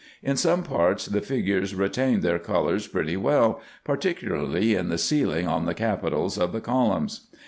In some parts the figures retain their colours pretty well, particu larly in the ceiling on the capitals of the columns.